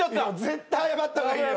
絶対謝った方がいいよ。